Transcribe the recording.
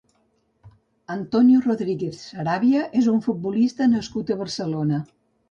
Antonio Rodríguez Saravia és un futbolista nascut a Barcelona.